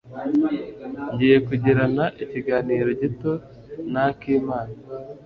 Ngiye kugirana ikiganiro gito na Akimana.